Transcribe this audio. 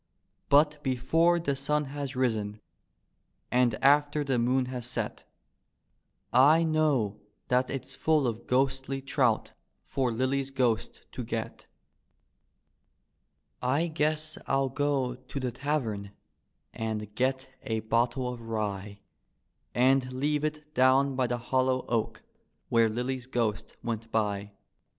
But before the sun has risen and after the moon has set I know that it's full of ghostly trout for Lilly's ghost to get. I guess I'll go to tlie tavern and get a bottle of rye And leave it down by the hollow oak, where Lilly's g^ost went by.